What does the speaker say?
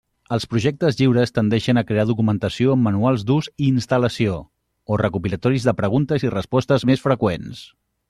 Els projectes lliures tendeixen a crear documentació amb manuals d'ús i instal·lació o recopilatoris de preguntes i respostes més freqüents.